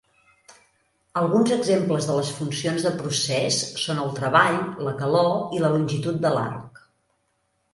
Alguns exemples de les funcions de procés són el treball, la calor i la longitud de l'arc.